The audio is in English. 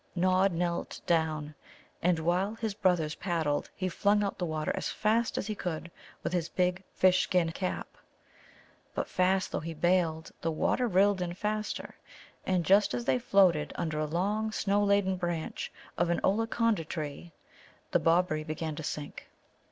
Nod knelt down, and, while his brothers paddled, he flung out the water as fast as he could with his big fish skin cap. But fast though he baled, the water rilled in faster, and just as they floated under a long, snow laden branch of an Ollaconda tree, the Bobberie began to sink.